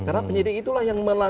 karena penyidik itulah yang menetapkan